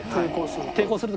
抵抗すると。